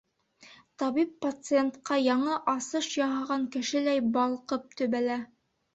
Табип пациентҡа яңы асыш яһаған кешеләй балҡып төбәлә.